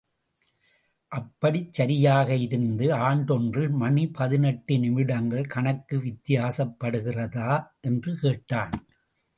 அப்படிச் சரியாக இருந்து ஆண்டொன்றில் மணி பதினெட்டு நிமிடங்கள் கணக்கு வித்தியாசப்படுகிறதா? என்று கேட்டான்.